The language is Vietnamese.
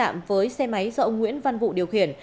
sau tai nạn với xe máy do ông nguyễn văn vụ điều khiển